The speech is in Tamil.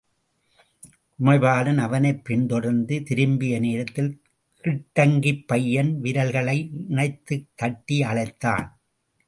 உமைபாலன் அவனைப் பின்தொடர்ந்து திரும்பிய நேரத்தில், கிட்டங்கிப் பையன் விரல்களை இணைத்துத் தட்டி அழைத்தான்.